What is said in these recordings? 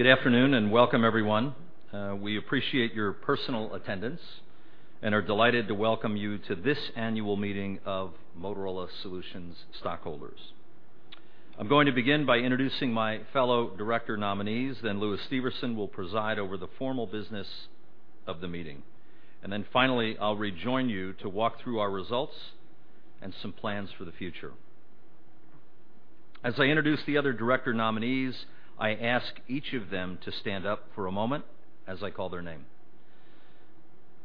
Good afternoon and welcome, everyone. We appreciate your personal attendance and are delighted to welcome you to this annual meeting of Motorola Solutions stockholders. I'm going to begin by introducing my fellow director nominees, then Louis Steverson will preside over the formal business of the meeting. Then finally, I'll rejoin you to walk through our results and some plans for the future. As I introduce the other director nominees, I ask each of them to stand up for a moment as I call their name.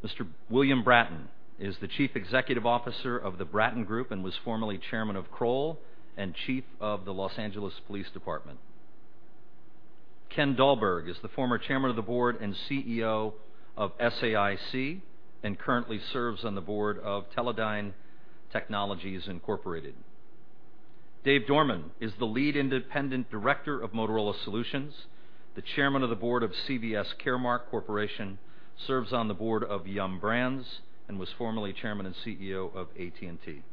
Mr. William Bratton is the Chief Executive Officer of the Bratton Group and was formerly Chairman of Kroll and Chief of the Los Angeles Police Department. Ken Dahlberg is the former Chairman of the Board and CEO of SAIC and currently serves on the board of Teledyne Technologies Incorporated. David Dorman is the Lead Independent Director of Motorola Solutions, the Chairman of the Board of CVS Caremark Corporation, serves on the board of Yum Brands, and was formerly Chairman and CEO of AT&T.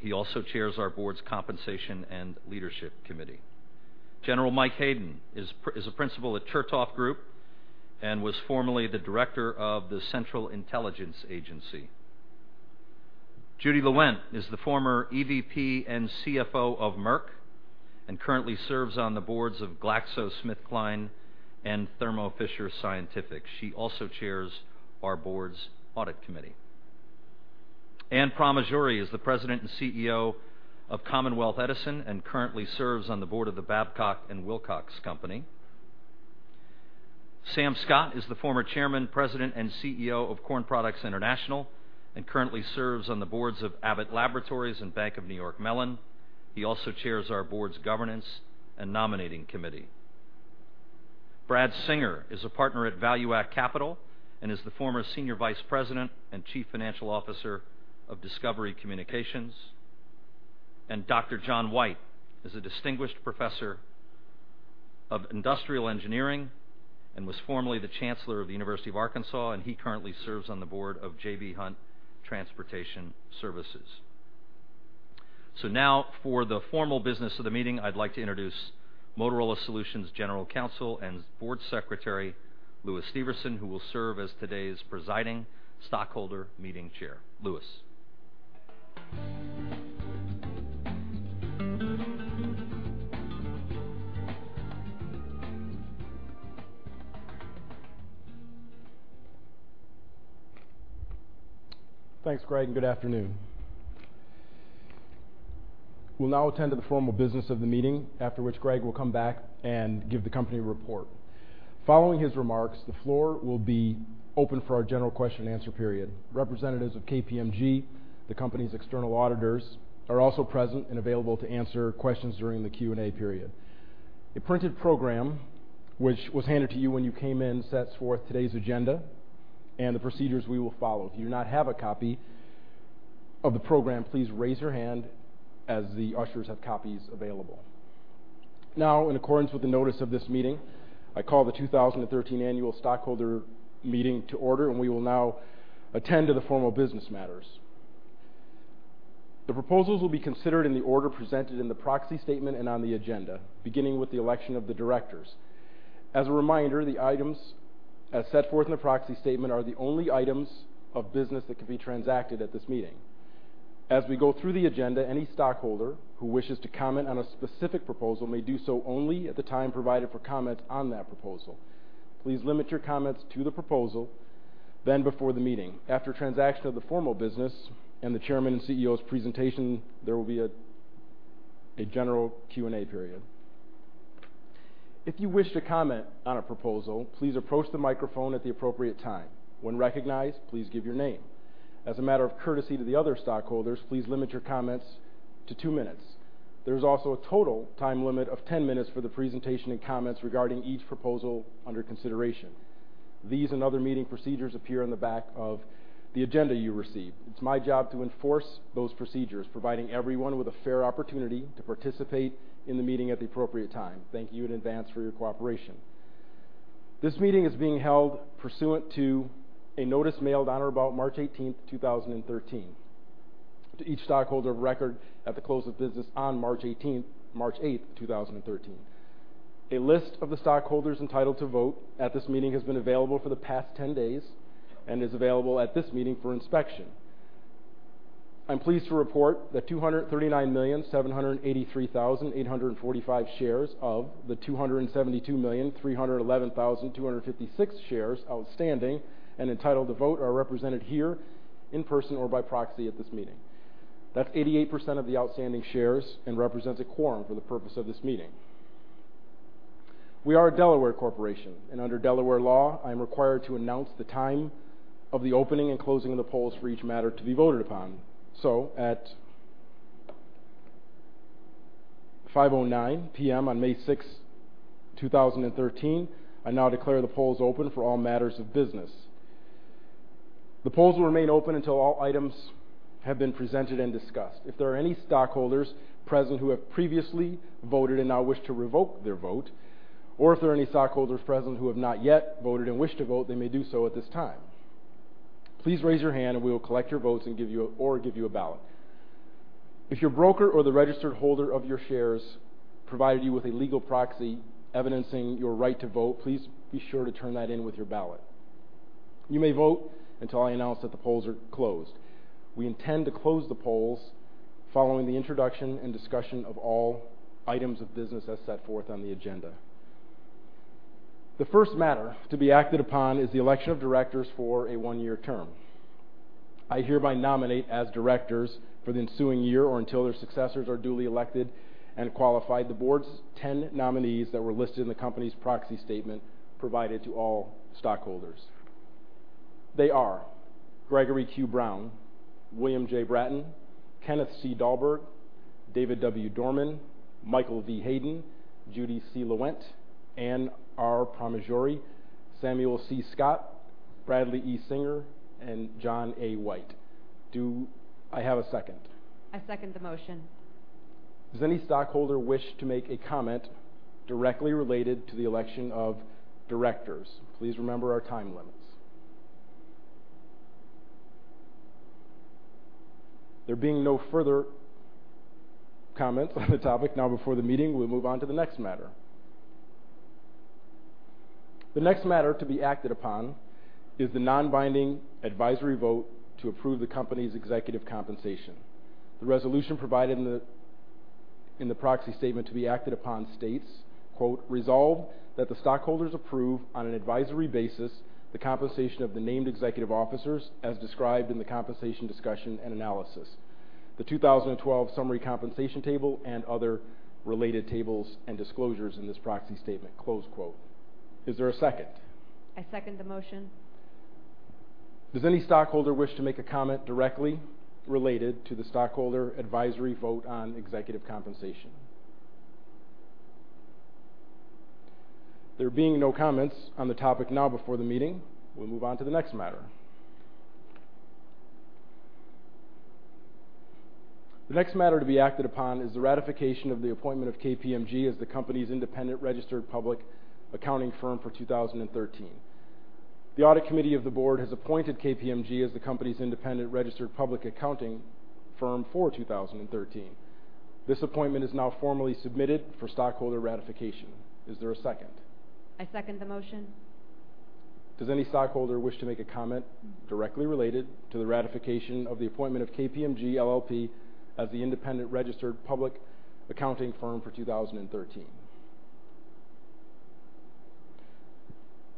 He also chairs our board's Compensation and Leadership Committee. General Michael Hayden is a principal at Chertoff Group and was formerly the Director of the Central Intelligence Agency. Judy Lewent is the former EVP and CFO of Merck and currently serves on the boards of GlaxoSmithKline and Thermo Fisher Scientific. She also chairs our board's Audit Committee. Ann Pramaggiore is the President and CEO of Commonwealth Edison and currently serves on the board of the Babcock & Wilcox Company. Samuel Scott III is the former Chairman, President, and CEO of Corn Products International and currently serves on the boards of Abbott Laboratories and Bank of New York Mellon. He also chairs our board's Governance and Nominating Committee. Brad Singer is a partner at ValueAct Capital and is the former Senior Vice President and Chief Financial Officer of Discovery Communications. Dr. John White is a Distinguished Professor of Industrial Engineering and was formerly the Chancellor of the University of Arkansas, and he currently serves on the board of J.B. Hunt Transport Services. So now, for the formal business of the meeting, I'd like to introduce Motorola Solutions General Counsel and Board Secretary Louis Steverson, who will serve as today's presiding stockholder meeting chair. Louis. Thanks, Greg, and good afternoon. We'll now attend to the formal business of the meeting, after which Greg will come back and give the company a report. Following his remarks, the floor will be open for our general question and answer period. Representatives of KPMG, the company's external auditors, are also present and available to answer questions during the Q&A period. A printed program, which was handed to you when you came in, sets forth today's agenda and the procedures we will follow. If you do not have a copy of the program, please raise your hand as the ushers have copies available. Now, in accordance with the notice of this meeting, I call the 2013 Annual Stockholder Meeting to order, and we will now attend to the formal business matters. The proposals will be considered in the order presented in the proxy statement and on the agenda, beginning with the election of the directors. As a reminder, the items as set forth in the proxy statement are the only items of business that can be transacted at this meeting. As we go through the agenda, any stockholder who wishes to comment on a specific proposal may do so only at the time provided for comments on that proposal. Please limit your comments to the proposal then before the meeting. After transaction of the formal business and the Chairman and CEO's presentation, there will be a general Q&A period. If you wish to comment on a proposal, please approach the microphone at the appropriate time. When recognized, please give your name. As a matter of courtesy to the other stockholders, please limit your comments to two minutes. There is also a total time limit of 10 minutes for the presentation and comments regarding each proposal under consideration. These and other meeting procedures appear in the back of the agenda you received. It's my job to enforce those procedures, providing everyone with a fair opportunity to participate in the meeting at the appropriate time. Thank you in advance for your cooperation. This meeting is being held pursuant to a notice mailed on or about March 18, 2013, to each stockholder of record at the close of business on March 8, 2013. A list of the stockholders entitled to vote at this meeting has been available for the past 10 days and is available at this meeting for inspection. I'm pleased to report that 239,783,845 shares of the 272,311,256 shares outstanding and entitled to vote are represented here in person or by proxy at this meeting. That's 88% of the outstanding shares and represents a quorum for the purpose of this meeting. We are a Delaware corporation, and under Delaware law, I am required to announce the time of the opening and closing of the polls for each matter to be voted upon. So at 5:09 P.M. on May 6, 2013, I now declare the polls open for all matters of business. The polls will remain open until all items have been presented and discussed. If there are any stockholders present who have previously voted and now wish to revoke their vote, or if there are any stockholders present who have not yet voted and wish to vote, they may do so at this time. Please raise your hand, and we will collect your votes or give you a ballot. If your broker or the registered holder of your shares provided you with a legal proxy evidencing your right to vote, please be sure to turn that in with your ballot. You may vote until I announce that the polls are closed. We intend to close the polls following the introduction and discussion of all items of business as set forth on the agenda. The first matter to be acted upon is the election of directors for a one-year term. I hereby nominate as directors for the ensuing year or until their successors are duly elected and qualified the board's 10 nominees that were listed in the company's proxy statement provided to all stockholders. They are Gregory Q. Brown, William J. Bratton, Kenneth C. Dahlberg, David W. Dorman, Michael V. Hayden, Judy C. Lewent, Ann R. Pramaggiore, Samuel C. Scott, Bradley E. Singer, and John A. White. Do I have a second? I second the motion. Does any stockholder wish to make a comment directly related to the election of directors? Please remember our time limits. There being no further comments on the topic now before the meeting, we'll move on to the next matter. The next matter to be acted upon is the non-binding advisory vote to approve the company's executive compensation. The resolution provided in the proxy statement to be acted upon states, "Resolve that the stockholders approve on an advisory basis the compensation of the named executive officers as described in the compensation discussion and analysis, the 2012 summary compensation table, and other related tables and disclosures in this proxy statement." Is there a second? I second the motion. Does any stockholder wish to make a comment directly related to the stockholder advisory vote on executive compensation? There being no comments on the topic now before the meeting, we'll move on to the next matter. The next matter to be acted upon is the ratification of the appointment of KPMG as the company's independent registered public accounting firm for 2013. The audit committee of the board has appointed KPMG as the company's independent registered public accounting firm for 2013. This appointment is now formally submitted for stockholder ratification. Is there a second? I second the motion. Does any stockholder wish to make a comment directly related to the ratification of the appointment of KPMG LLP as the independent registered public accounting firm for 2013?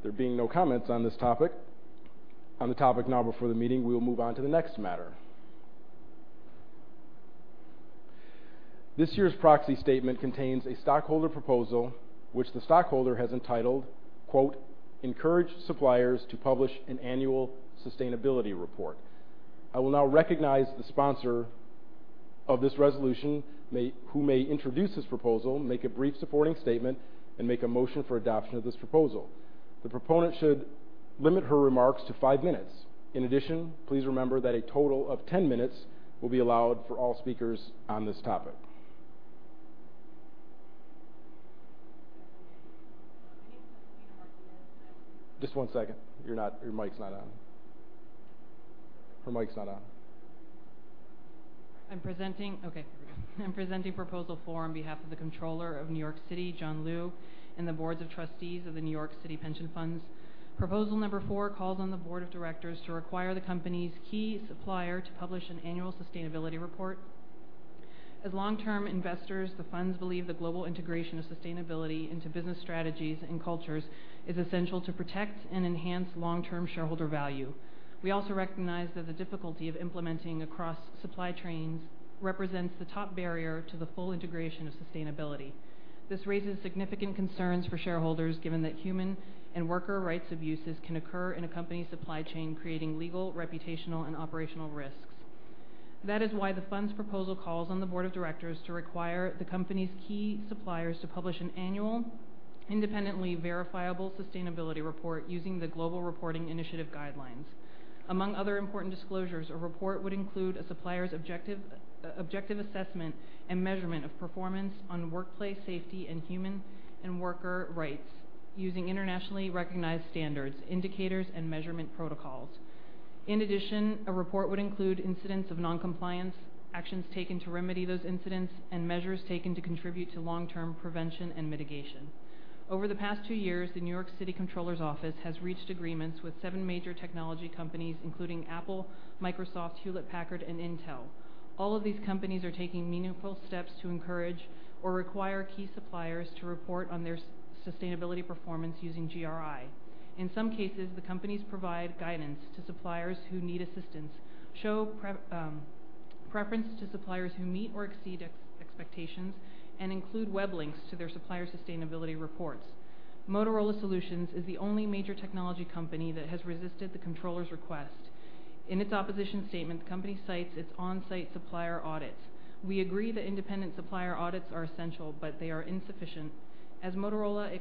There being no comments on this topic, on the topic now before the meeting, we will move on to the next matter. This year's proxy statement contains a stockholder proposal which the stockholder has entitled, "Encourage suppliers to publish an annual sustainability report." I will now recognize the sponsor of this resolution who may introduce this proposal, make a brief supporting statement, and make a motion for adoption of this proposal. The proponent should limit her remarks to five minutes. In addition, please remember that a total of 10 minutes will be allowed for all speakers on this topic. Just one second. Your mic's not on. Her mic's not on. I'm presenting Proposal 4 on behalf of the Comptroller of New York City, John Liu, and the Boards of Trustees of the New York City Pension Funds. Proposal number 4 calls on the board of directors to require the company's key supplier to publish an annual sustainability report. As long-term investors, the funds believe the global integration of sustainability into business strategies and cultures is essential to protect and enhance long-term shareholder value. We also recognize that the difficulty of implementing across supply chains represents the top barrier to the full integration of sustainability. This raises significant concerns for shareholders given that human and worker rights abuses can occur in a company's supply chain, creating legal, reputational, and operational risks. That is why the funds proposal calls on the board of directors to require the company's key suppliers to publish an annual, independently verifiable sustainability report using the Global Reporting Initiative guidelines. Among other important disclosures, a report would include a supplier's objective assessment and measurement of performance on workplace safety and human and worker rights using internationally recognized standards, indicators, and measurement protocols. In addition, a report would include incidents of non-compliance, actions taken to remedy those incidents, and measures taken to contribute to long-term prevention and mitigation. Over the past two years, the New York City Comptroller's Office has reached agreements with seven major technology companies, including Apple, Microsoft, Hewlett-Packard, and Intel. All of these companies are taking meaningful steps to encourage or require key suppliers to report on their sustainability performance using GRI. In some cases, the companies provide guidance to suppliers who need assistance, show preference to suppliers who meet or exceed expectations, and include web links to their supplier sustainability reports. Motorola Solutions is the only major technology company that has resisted the Comptroller's request. In its opposition statement, the company cites its on-site supplier audits. We agree that independent supplier audits are essential, but they are insufficient. As Motorola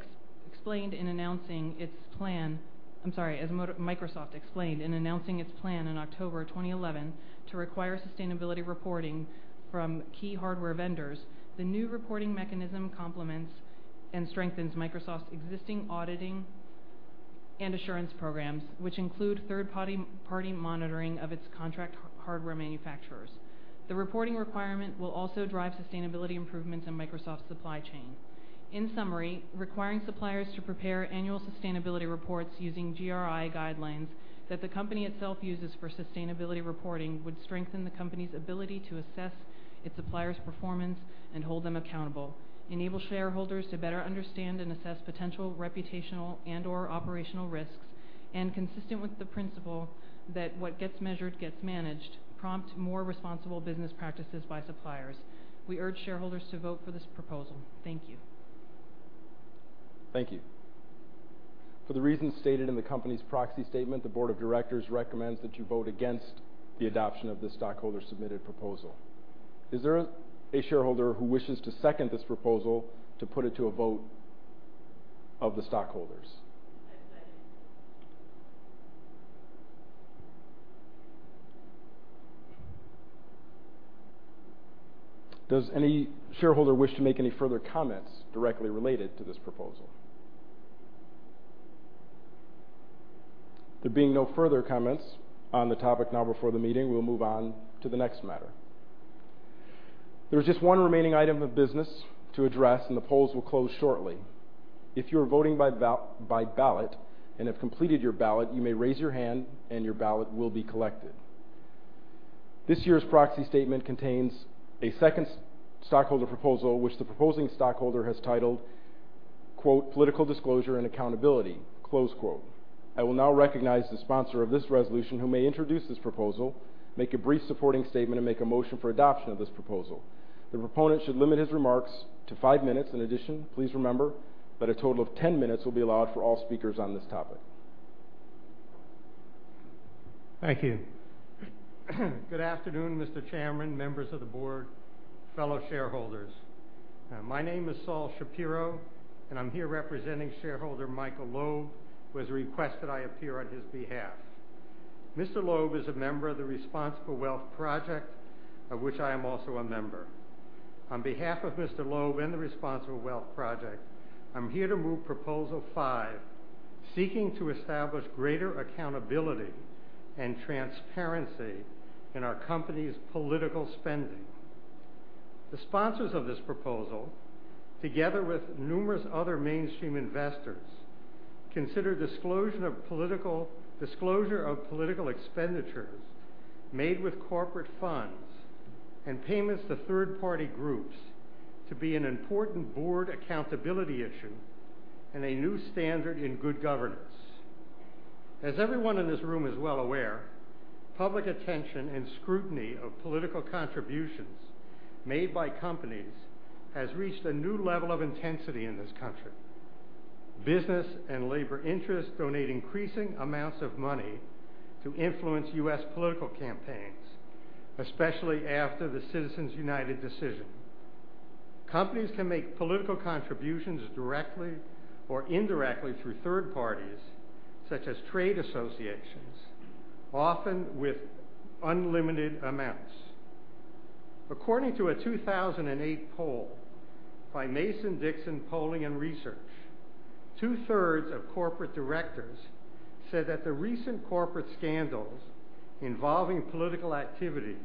explained in announcing its plan I'm sorry, as Microsoft explained in announcing its plan in October 2011 to require sustainability reporting from key hardware vendors, the new reporting mechanism complements and strengthens Microsoft's existing auditing and assurance programs, which include third-party monitoring of its contract hardware manufacturers. The reporting requirement will also drive sustainability improvements in Microsoft's supply chain. In summary, requiring suppliers to prepare annual sustainability reports using GRI guidelines that the company itself uses for sustainability reporting would strengthen the company's ability to assess its suppliers' performance and hold them accountable, enable shareholders to better understand and assess potential reputational and/or operational risks, and consistent with the principle that what gets measured gets managed, prompt more responsible business practices by suppliers. We urge shareholders to vote for this proposal. Thank you. Thank you. For the reasons stated in the company's proxy statement, the board of directors recommends that you vote against the adoption of the stockholder-submitted proposal. Is there a shareholder who wishes to second this proposal to put it to a vote of the stockholders? Does any shareholder wish to make any further comments directly related to this proposal? There being no further comments on the topic now before the meeting, we'll move on to the next matter. There's just one remaining item of business to address, and the polls will close shortly. If you are voting by ballot and have completed your ballot, you may raise your hand, and your ballot will be collected. This year's proxy statement contains a second stockholder proposal which the proposing stockholder has titled, "Political Disclosure and Accountability." I will now recognize the sponsor of this resolution who may introduce this proposal, make a brief supporting statement, and make a motion for adoption of this proposal. The proponent should limit his remarks to five minutes. In addition, please remember that a total of 10 minutes will be allowed for all speakers on this topic. Thank you. Good afternoon, Mr. Chairman, members of the board, fellow shareholders. My name is Saul Shapiro, and I'm here representing shareholder Michael Loeb, who has requested I appear on his behalf. Mr. Loeb is a member of the Responsible Wealth Project, of which I am also a member. On behalf of Mr. Loeb and the Responsible Wealth Project, I'm here to move proposal five, seeking to establish greater accountability and transparency in our company's political spending. The sponsors of this proposal, together with numerous other mainstream investors, consider disclosure of political expenditures made with corporate funds and payments to third-party groups to be an important board accountability issue and a new standard in good governance. As everyone in this room is well aware, public attention and scrutiny of political contributions made by companies has reached a new level of intensity in this country. Business and labor interests donate increasing amounts of money to influence U.S. political campaigns, especially after the Citizens United decision. Companies can make political contributions directly or indirectly through third parties, such as trade associations, often with unlimited amounts. According to a 2008 poll by Mason-Dixon Polling & Research, two-thirds of corporate directors said that the recent corporate scandals involving political activities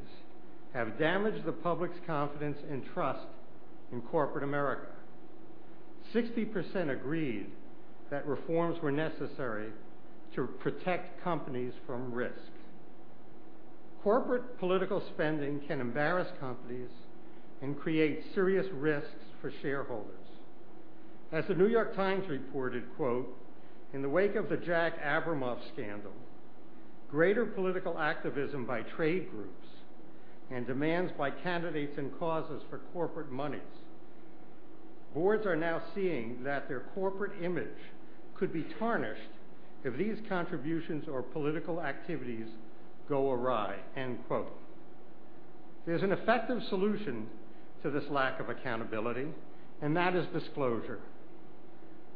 have damaged the public's confidence and trust in corporate America. 60% agreed that reforms were necessary to protect companies from risk. Corporate political spending can embarrass companies and create serious risks for shareholders. As the New York Times reported, "In the wake of the Jack Abramoff scandal, greater political activism by trade groups and demands by candidates and causes for corporate monies, boards are now seeing that their corporate image could be tarnished if these contributions or political activities go awry." There's an effective solution to this lack of accountability, and that is disclosure.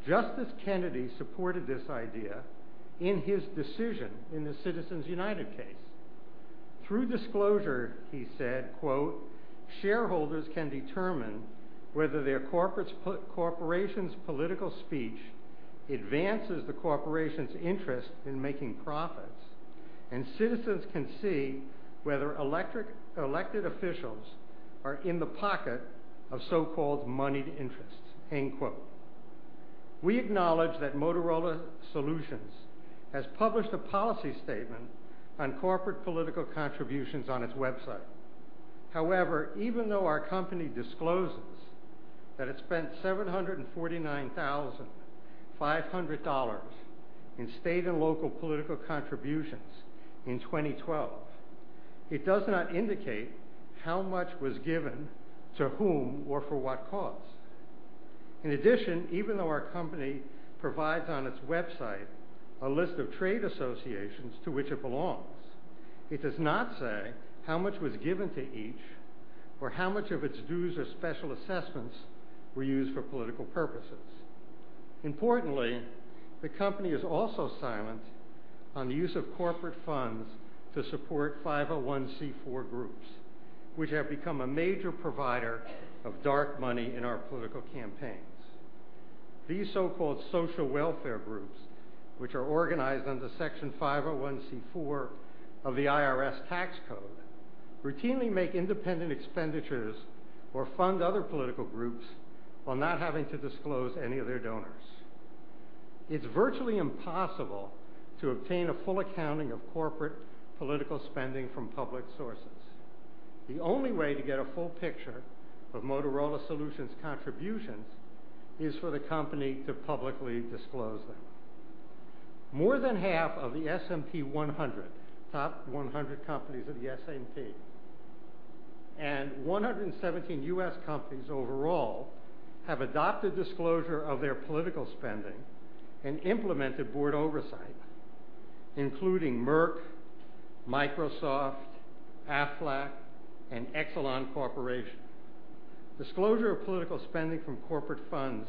Justice Kennedy supported this idea in his decision in the Citizens United case. Through disclosure, he said, "Shareholders can determine whether their corporation's political speech advances the corporation's interest in making profits, and citizens can see whether elected officials are in the pocket of so-called moneyed interests." We acknowledge that Motorola Solutions has published a policy statement on corporate political contributions on its website. However, even though our company discloses that it spent $749,500 in state and local political contributions in 2012, it does not indicate how much was given to whom or for what cause. In addition, even though our company provides on its website a list of trade associations to which it belongs, it does not say how much was given to each or how much of its dues or special assessments were used for political purposes. Importantly, the company is also silent on the use of corporate funds to support 501(c)(4) groups, which have become a major provider of dark money in our political campaigns. These so-called social welfare groups, which are organized under Section 501(c)(4) of the IRS tax code, routinely make independent expenditures or fund other political groups while not having to disclose any of their donors. It's virtually impossible to obtain a full accounting of corporate political spending from public sources. The only way to get a full picture of Motorola Solutions' contributions is for the company to publicly disclose them. More than half of the S&P 100, top 100 companies of the S&P, and 117 U.S. companies overall have adopted disclosure of their political spending and implemented board oversight, including Merck, Microsoft, Aflac, and Exelon Corporation. Disclosure of political spending from corporate funds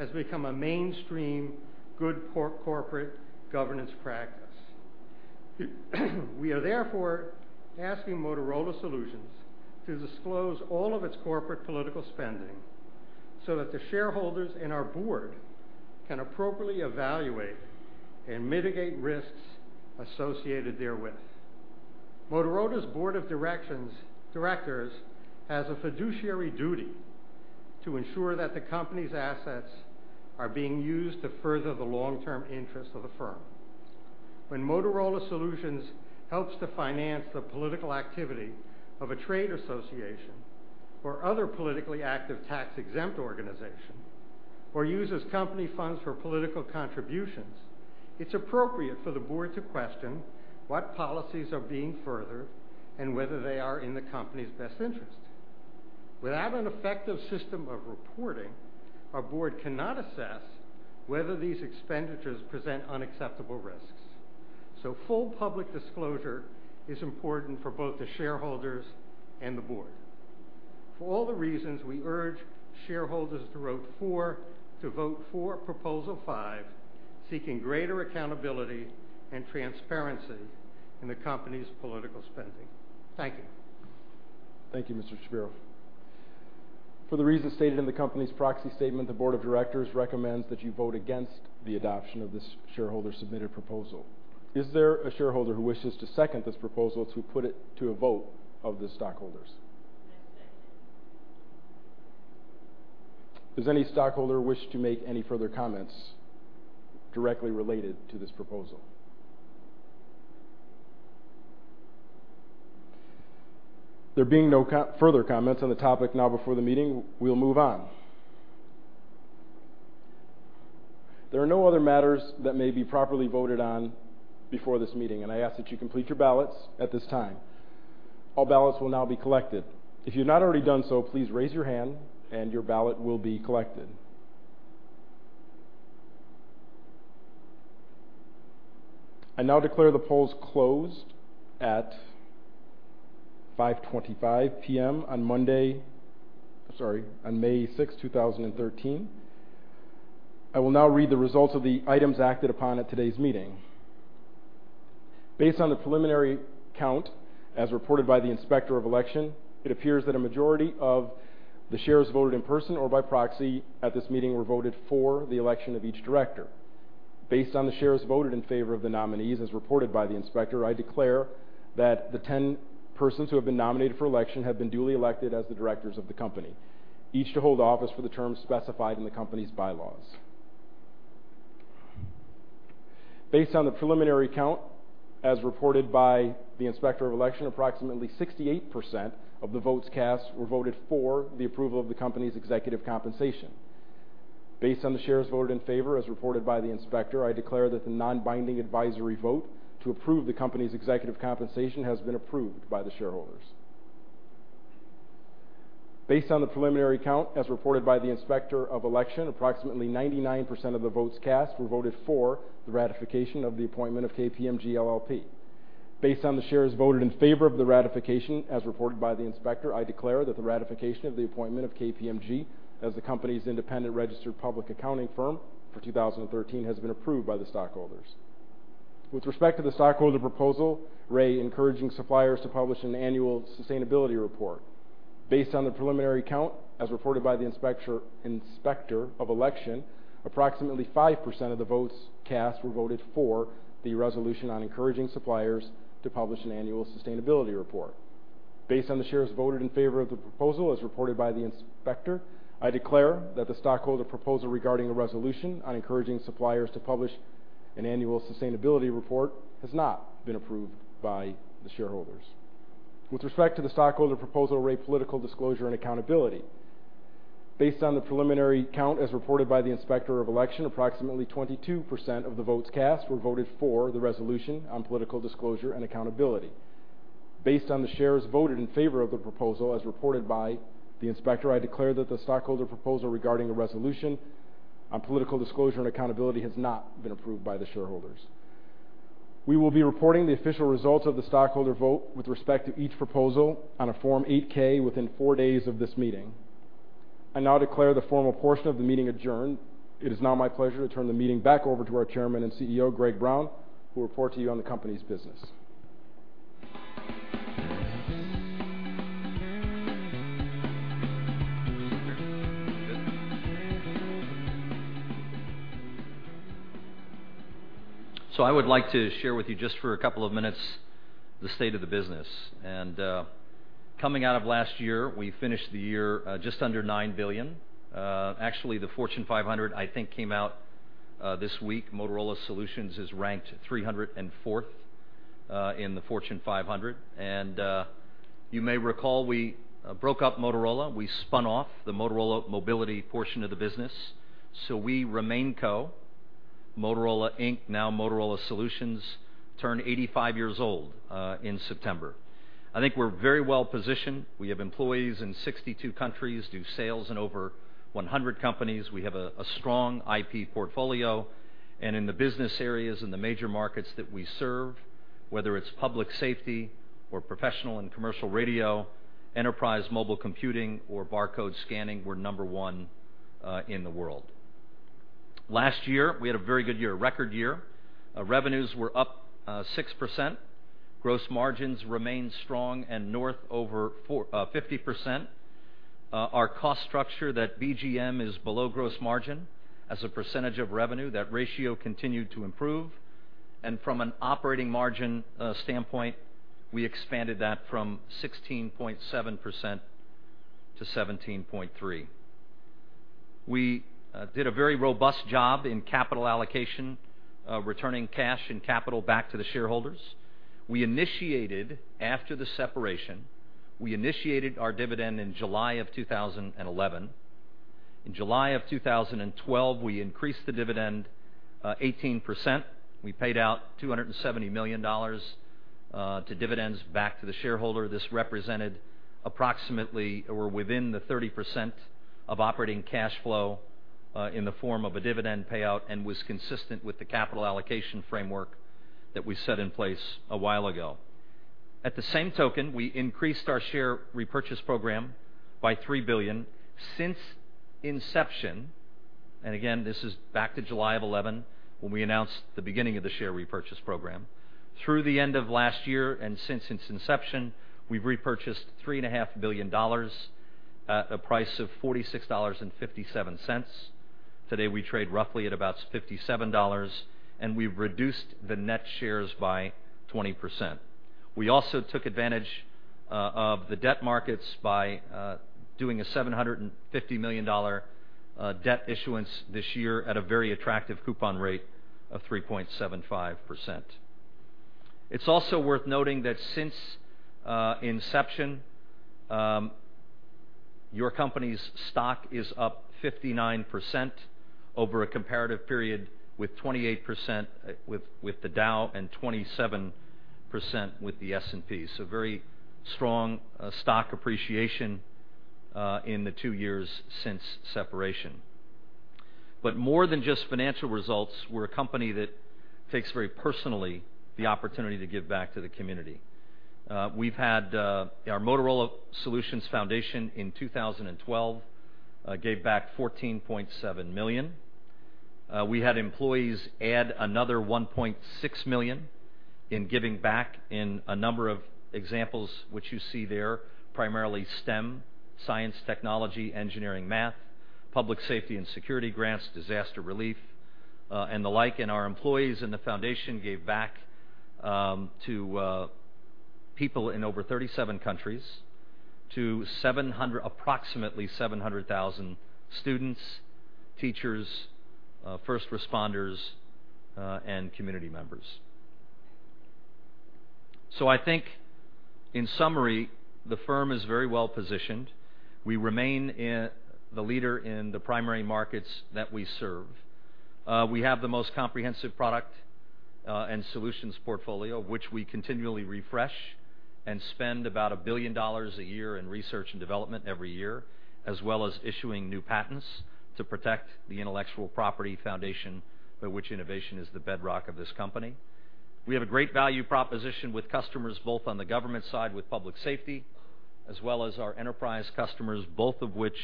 has become a mainstream good corporate governance practice. We are therefore asking Motorola Solutions to disclose all of its corporate political spending so that the shareholders and our board can appropriately evaluate and mitigate risks associated therewith. Motorola's board of directors has a fiduciary duty to ensure that the company's assets are being used to further the long-term interests of the firm. When Motorola Solutions helps to finance the political activity of a trade association or other politically active tax-exempt organization or uses company funds for political contributions, it's appropriate for the board to question what policies are being furthered and whether they are in the company's best interest. Without an effective system of reporting, our board cannot assess whether these expenditures present unacceptable risks. So full public disclosure is important for both the shareholders and the board. For all the reasons, we urge shareholders to vote for proposal five, seeking greater accountability and transparency in the company's political spending. Thank you. Thank you, Mr. Shapiro. For the reasons stated in the company's proxy statement, the Board of Directors recommends that you vote against the adoption of this shareholder-submitted proposal. Is there a shareholder who wishes to second this proposal to put it to a vote of the stockholders? Does any stockholder wish to make any further comments directly related to this proposal? There being no further comments on the topic now before the meeting, we'll move on. There are no other matters that may be properly voted on before this meeting, and I ask that you complete your ballots at this time. All ballots will now be collected. If you've not already done so, please raise your hand, and your ballot will be collected. I now declare the polls closed at 5:25 P.M. on Monday, sorry, on May 6th, 2013. I will now read the results of the items acted upon at today's meeting. Based on the preliminary count, as reported by the inspector of election, it appears that a majority of the shares voted in person or by proxy at this meeting were voted for the election of each director. Based on the shares voted in favor of the nominees, as reported by the inspector, I declare that the 10 persons who have been nominated for election have been duly elected as the directors of the company, each to hold office for the terms specified in the company's bylaws. Based on the preliminary count, as reported by the inspector of election, approximately 68% of the votes cast were voted for the approval of the company's executive compensation. Based on the shares voted in favor, as reported by the inspector, I declare that the non-binding advisory vote to approve the company's executive compensation has been approved by the shareholders. Based on the preliminary count, as reported by the inspector of election, approximately 99% of the votes cast were voted for the ratification of the appointment of KPMG LLP. Based on the shares voted in favor of the ratification, as reported by the inspector, I declare that the ratification of the appointment of KPMG as the company's independent registered public accounting firm for 2013 has been approved by the stockholders. With respect to the stockholder proposal regarding encouraging suppliers to publish an annual sustainability report. Based on the preliminary count, as reported by the inspector of election, approximately 5% of the votes cast were voted for the resolution on encouraging suppliers to publish an annual sustainability report. Based on the shares voted in favor of the proposal, as reported by the inspector, I declare that the stockholder proposal regarding the resolution on encouraging suppliers to publish an annual sustainability report has not been approved by the shareholders. With respect to the stockholder proposal regarding political disclosure and accountability. Based on the preliminary count, as reported by the inspector of election, approximately 22% of the votes cast were voted for the resolution on political disclosure and accountability. Based on the shares voted in favor of the proposal, as reported by the inspector, I declare that the stockholder proposal regarding the resolution on political disclosure and accountability has not been approved by the shareholders. We will be reporting the official results of the stockholder vote with respect to each proposal on a Form 8-K within four days of this meeting. I now declare the formal portion of the meeting adjourned. It is now my pleasure to turn the meeting back over to our Chairman and CEO, Greg Brown, who will report to you on the company's business. So I would like to share with you just for a couple of minutes the state of the business. And coming out of last year, we finished the year just under $9 billion. Actually, the Fortune 500, I think, came out this week. Motorola Solutions is ranked 304th in the Fortune 500. And you may recall we broke up Motorola. We spun off the Motorola Mobility portion of the business. So we remained Motorola, Inc., now Motorola Solutions, turned 85 years old in September. I think we're very well positioned. We have employees in 62 countries, do sales in over 100 countries. We have a strong IP portfolio. And in the business areas and the major markets that we serve, whether it's public safety or professional and commercial radio, enterprise mobile computing, or barcode scanning, we're number one in the world. Last year, we had a very good year, a record year. Revenues were up 6%. Gross margins remained strong and north of 50%. Our cost structure, that BGM, is below gross margin as a percentage of revenue. That ratio continued to improve. From an operating margin standpoint, we expanded that from 16.7%-17.3%. We did a very robust job in capital allocation, returning cash and capital back to the shareholders. We initiated, after the separation, we initiated our dividend in July of 2011. In July of 2012, we increased the dividend 18%. We paid out $270 million to dividends back to the shareholder. This represented approximately or within the 30% of operating cash flow in the form of a dividend payout and was consistent with the capital allocation framework that we set in place a while ago. At the same time, we increased our share repurchase program by $3 billion since inception. Again, this is back to July of 2011 when we announced the beginning of the share repurchase program. Through the end of last year and since its inception, we've repurchased $3.5 billion at a price of $46.57. Today, we trade roughly at about $57, and we've reduced the net shares by 20%. We also took advantage of the debt markets by doing a $750 million debt issuance this year at a very attractive coupon rate of 3.75%. It's also worth noting that since inception, your company's stock is up 59% over a comparative period with 28% with the Dow and 27% with the S&P. So very strong stock appreciation in the two years since separation. But more than just financial results, we're a company that takes very personally the opportunity to give back to the community. We've had our Motorola Solutions Foundation in 2012 gave back $14.7 million. We had employees add another $1.6 million in giving back in a number of examples, which you see there, primarily STEM, science, technology, engineering, math, public safety and security grants, disaster relief, and the like. And our employees in the foundation gave back to people in over 37 countries to approximately 700,000 students, teachers, first responders, and community members. So I think, in summary, the firm is very well positioned. We remain the leader in the primary markets that we serve. We have the most comprehensive product and solutions portfolio, which we continually refresh and spend about $1 billion a year in research and development every year, as well as issuing new patents to protect the intellectual property foundation by which innovation is the bedrock of this company. We have a great value proposition with customers both on the government side with public safety as well as our enterprise customers, both of which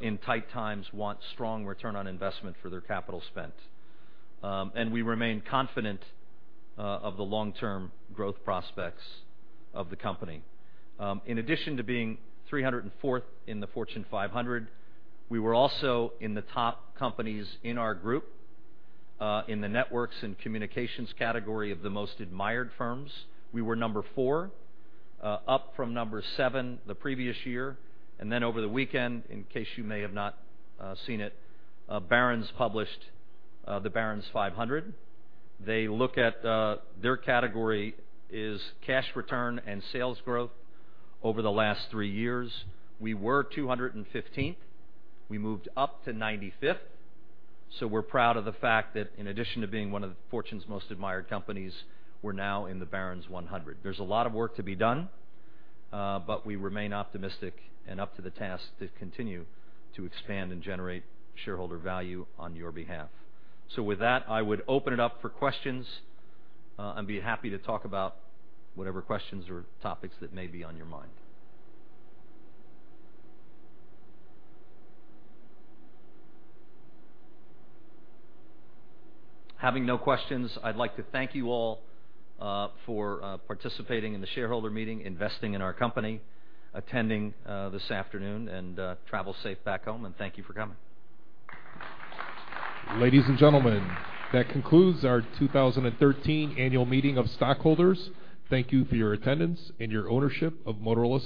in tight times want strong return on investment for their capital spent. We remain confident of the long-term growth prospects of the company. In addition to being 304th in the Fortune 500, we were also in the top companies in our group in the networks and communications category of the most admired firms. We were number four, up from number seven the previous year. Then over the weekend, in case you may have not seen it, Barron's published the Barron's 500. They look at their category as cash return and sales growth over the last three years. We were 215th. We moved up to 95th. So we're proud of the fact that in addition to being one of Fortune's most admired companies, we're now in the Barron's 100. There's a lot of work to be done, but we remain optimistic and up to the task to continue to expand and generate shareholder value on your behalf. So with that, I would open it up for questions and be happy to talk about whatever questions or topics that may be on your mind. Having no questions, I'd like to thank you all for participating in the shareholder meeting, investing in our company, attending this afternoon, and travel safe back home. Thank you for coming. Ladies and gentlemen, that concludes our 2013 annual meeting of stockholders. Thank you for your attendance and your ownership of Motorola.